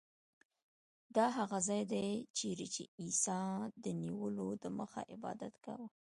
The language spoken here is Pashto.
دا هغه ځای دی چیرې چې عیسی د نیولو دمخه عبادت کاوه.